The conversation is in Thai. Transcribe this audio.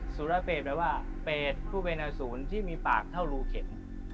สุรเปศแปลว่าเปรตผู้เป็นอสูรที่มีปากเท่ารูเข็น